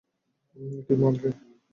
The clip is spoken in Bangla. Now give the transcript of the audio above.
কি মাল রে!